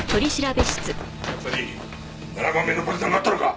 やっぱり７番目の爆弾があったのか！？